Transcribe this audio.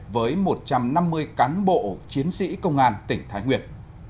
với một trăm năm mươi cán bộ chiến sĩ công an tỉnh thái nguyên